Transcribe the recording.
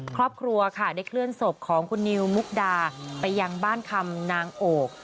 ครอบครัวค่ะได้เคลื่อนศพของคุณนิวมุกดาไปยังบ้านคำนางโอก